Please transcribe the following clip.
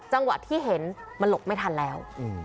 จังหวะที่เห็นมันหลบไม่ทันแล้ว